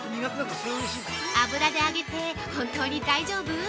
◆油で揚げて本当に大丈夫？